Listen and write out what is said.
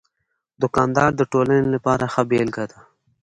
دوکاندار د ټولنې لپاره ښه بېلګه ده.